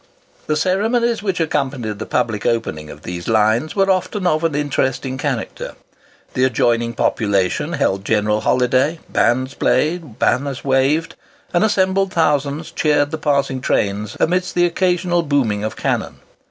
The ceremonies which accompanied the public opening of these lines were often of an interesting character. The adjoining population held general holiday; bands played, banners waved, and assembled thousands cheered the passing trains amidst the occasional booming of cannon.